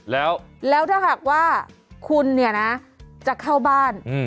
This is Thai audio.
แล้วถ้าหากว่าคุณเนี่ยนะจะเข้าบ้าน